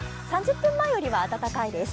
３０分前よりは暖かいです。